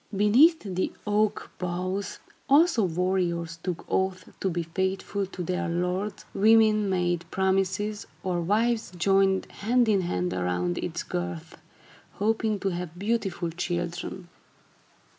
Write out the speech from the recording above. Beneath the oak boughs, also, warriors took oaths to be faithful to their lords, women made promises, or wives joined hand in hand around its girth, hoping to have beautiful children.